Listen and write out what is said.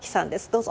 どうぞ。